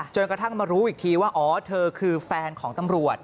กระทั่งมารู้อีกทีว่าอ๋อเธอคือแฟนของตำรวจ